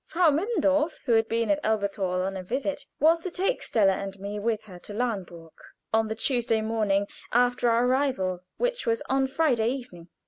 Frau Mittendorf, who had been at Elberthal on a visit, was to take Stella and me with her to Lahnburg on the Tuesday morning after our arrival, which was on Friday evening.